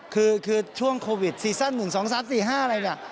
คือช่วงโควิดซีซั่น๑๒๓๔๕อะไรเนี่ย